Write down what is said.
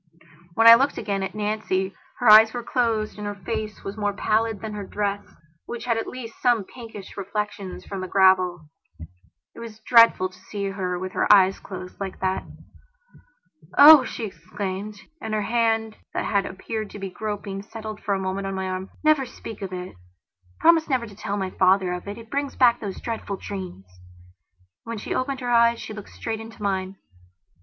When I looked again at Nancy her eyes were closed and her face was more pallid than her dress, which had at least some pinkish reflections from the gravel. It was dreadful to see her with her eyes closed like that. "Oh!" she exclaimed, and her hand that had appeared to be groping, settled for a moment on my arm. "Never speak of it. Promise never to tell my father of it. It brings back those dreadful dreams..." And, when she opened her eyes she looked straight into mine.